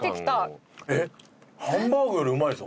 えっハンバーグよりうまいぞ！